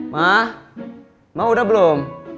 ma ma udah belum